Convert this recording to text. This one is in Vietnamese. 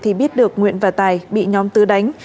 thì biết được nguyễn và tài bị nhóm tứ đánh